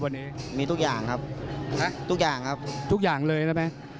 วันนี้ขนกองเชียร์มาเยอะเลยนะ